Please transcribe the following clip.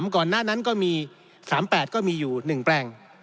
ก่อนหน้านั้นก็มี๓๘ก็มีอยู่๑แปลง